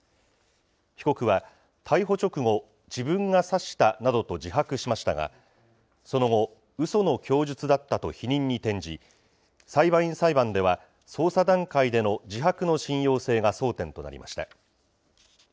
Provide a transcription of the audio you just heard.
被告は逮捕直後、自分が刺したなどと自白しましたが、その後、うその供述だったと否認に転じ、裁判員裁判では、捜査段階での自白の信用性が争点となりました。